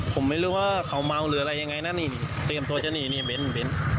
ผมไม่รู้ว่าเขาเมาหรืออะไรยังไงนะนี่เตรียมตัวจะนี่นี่เบ้น